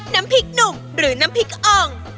น้ำพริกหนุ่มหรือน้ำพริกอ่อง